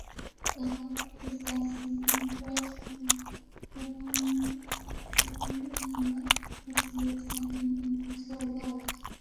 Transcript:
Long after his death, his anti-French propaganda was used again, in both World Wars.